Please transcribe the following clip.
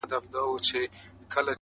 هره ورځ د مثبت اثر فرصت لري،